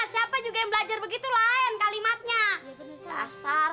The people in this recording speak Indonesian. siapa juga yang belajar begitu lain kalimatnya